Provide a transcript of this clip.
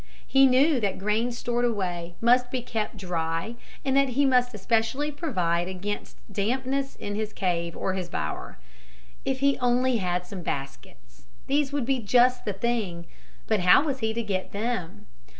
He knew that grain stored away must be kept dry and that he must especially provide against dampness in his cave or in his bower. If he only had some baskets. These would be just the thing. But how was he to get them?